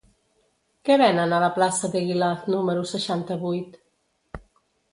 Què venen a la plaça d'Eguilaz número seixanta-vuit?